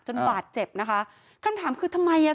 บาดเจ็บนะคะคำถามคือทำไมอ่ะ